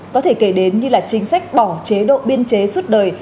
có thể kể đến như là chính sách bỏ chế độ biên chế suốt đời